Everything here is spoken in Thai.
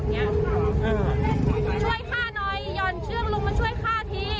เขาบอกอย่างเนี้ยช่วยข้าหน่อยย่อนเชือกลงมาช่วยข้าที